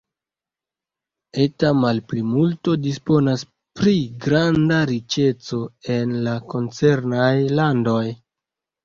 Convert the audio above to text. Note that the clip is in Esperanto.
Eta malplimulto disponas pri granda riĉeco en la koncernaj landoj.